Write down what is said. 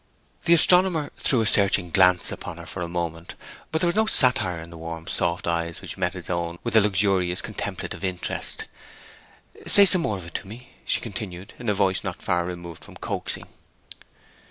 The astronomer threw a searching glance upon her for a moment; but there was no satire in the warm soft eyes which met his own with a luxurious contemplative interest. 'Say some more of it to me,' she continued, in a voice not far removed from coaxing.